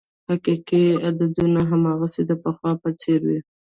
حقیقي عددونه هماغسې د پخوا په څېر وې.